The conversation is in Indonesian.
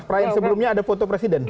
pernah yang sebelumnya ada foto presiden